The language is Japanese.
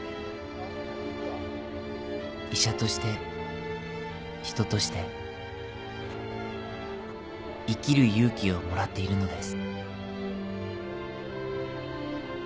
「医者として人として生きる勇気をもらっているのです」